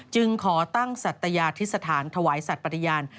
จึงขอตั้งสัตยาธิสถานถวายสัตว์ปฏิญาณ